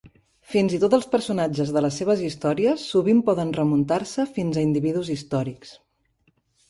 Fins i tot els personatges de les seves històries sovint poden remuntar-se fins a individus històrics.